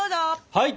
はい！